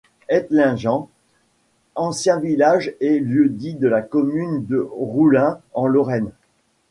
Hettlingen, ancien village et lieu-dit de la commune de Rouhling en Lorraine.